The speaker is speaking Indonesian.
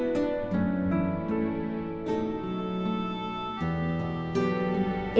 dia akan jadi mantan suami istri